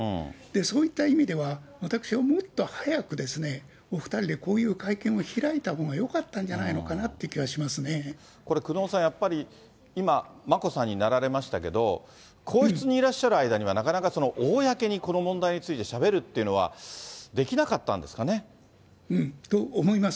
そういった意味では、私はもっと早く、お２人でこういう会見を開いたほうがよかったんじゃないのかなとこれ、久能さん、やっぱり今、眞子さんになられましたけど、皇室にいらっしゃる間には、なかなか公にこの問題についてしゃべるっていうのは、と思います。